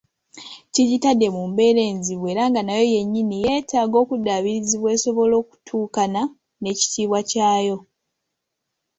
Kkigitadde mu mbeera enzibu era nga nayo yennyini yeetaaga okuddaabirizibwa esobole okutuukana n'ekitiibwa ky'ayo.